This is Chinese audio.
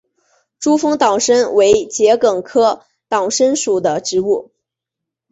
珠峰党参为桔梗科党参属的植物。